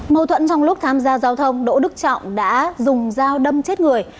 mâu thuẫn trong lúc tham gia giao thông đỗ đức trọng đã dùng dao đâm chết người